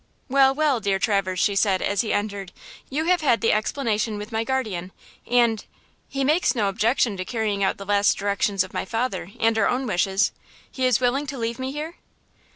"Well, well, dear Traverse," she said, as he entered. "You have had the explanation with my guardian, and–he makes no objection to carrying out the last directions of my father and our own wishes–he is willing to leave me here?"